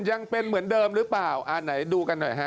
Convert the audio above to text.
ยังเป็นเหมือนเดิมหรือเปล่าอ่าไหนดูกันหน่อยฮะ